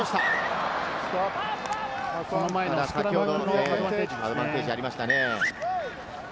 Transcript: スクラムのアドバンテージがありましたね。